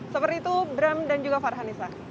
seperti itu bram dan juga farhanisa